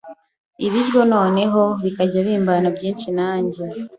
ibiryo noneho bikajya bimbana byinshi nanjye